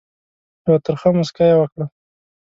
یوه ترخه مُسکا یې وکړه.